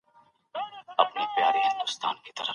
دوی د فساد د رېښو د وچولو لپاره کار کاوه.